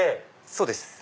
そうです。